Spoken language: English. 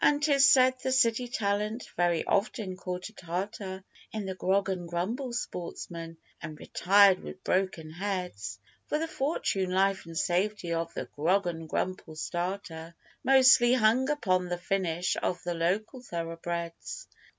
An' 'tis said the city talent very often caught a tartar In the Grog an' Grumble sportsman, 'n' retired with broken heads, For the fortune, life, and safety of the Grog an' Grumble starter Mostly hung upon the finish of the local thoroughbreds.